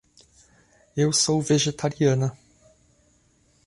Eu sou vegetariana.